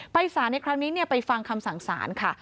สารในครั้งนี้ไปฟังคำสั่งสารค่ะ